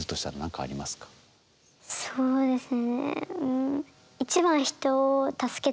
ああそうですね。